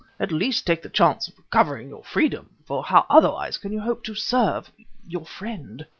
At least take the chance of recovering your freedom, for how otherwise can you hope to serve your friend...."